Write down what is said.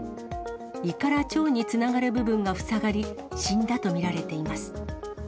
胃から腸につながる部分が塞がり、死んだと見られています。